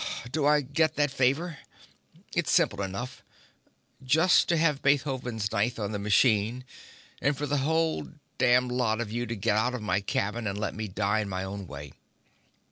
Do I get that favor? It's simple enough just to have Beethoven's Ninth on the machine and for the whole damned lot of you to get out of my cabin and let me die in my own way!"